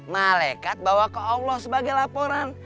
malaikat bawa ke allah sebagai laporan